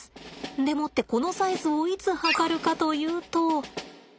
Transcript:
でもってこのサイズをいつ測るかというと。